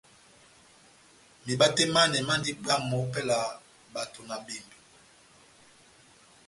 Miba tɛh manɛ mandi bwamh opɛlɛ ya bato na bembe.